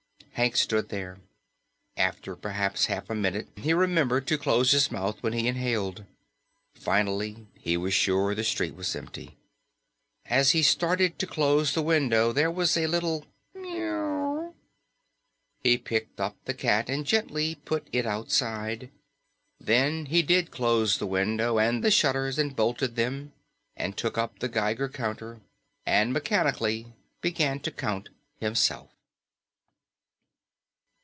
Hank stood there. After perhaps a half minute he remembered to close his mouth when he inhaled. Finally he was sure the street was empty. As he started to close the window, there was a little mew. He picked up the cat and gently put it outside. Then he did close the window, and the shutters, and bolted them, and took up the Geiger counter, and mechanically began to count himself.